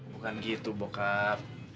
bukan gitu bokap